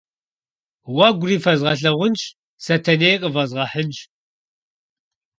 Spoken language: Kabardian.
Гъуэгури фэзгъэлъагъунщ, Сэтэнеи къывэзгъэхьынщ.